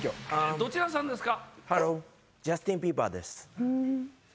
どちらさんですか？